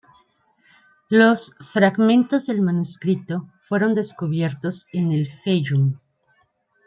Los fragmentos del manuscrito fueron descubiertos en el Fayum.